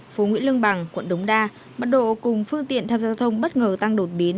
phố nguyễn lương bằng quận đống đa bắt độ cùng phương tiện tham gia giao thông bất ngờ tăng đột biến